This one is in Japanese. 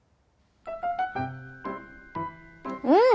うん！